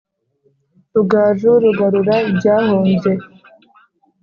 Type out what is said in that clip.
Rugaju rugarura ibyahombye